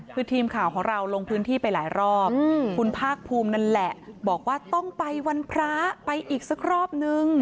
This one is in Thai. คือทีมข่าวของเราลงพื้นที่ไปหลายรอบคุณภาคภูมินั่นแหละบอกว่าต้องไปวันพระไปอีกสักรอบนึง